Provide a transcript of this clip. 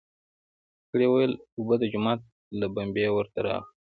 سړي وويل: اوبه د جومات له بمبې ورته راوړه!